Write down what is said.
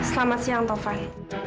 selamat siang tovan